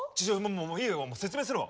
もういいよ説明するわ。